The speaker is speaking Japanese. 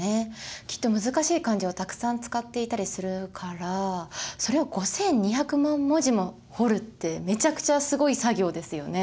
きっと難しい漢字をたくさん使っていたりするからそれを５，２００万文字も彫るってめちゃくちゃすごい作業ですよね。